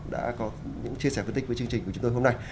đã có những chia sẻ phân tích với chương trình của chúng tôi hôm nay